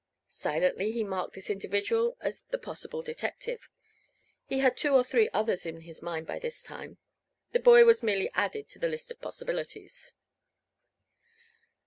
Silently he marked this individual as the possible detective. He had two or three others in his mind, by this time; the boy was merely added to the list of possibilities.